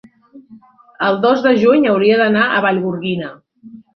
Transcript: el dos de juny hauria d'anar a Vallgorguina.